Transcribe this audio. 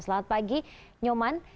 selamat pagi nyoman